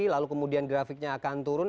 lalu kemudian grafiknya akan turun